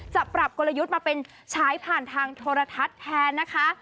จะปรับกลยุทธ์มาเป็นฉายผ่านทางโทรทัศน์แทนนะคะ